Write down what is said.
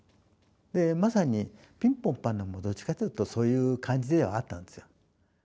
まさに「ピンポンパン」でもどっちかって言うとそういう感じではあったんですよ。